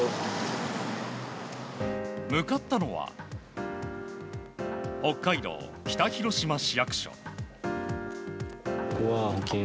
向かったのは北海道北広島市役所。